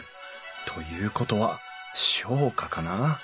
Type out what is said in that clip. ということは商家かな。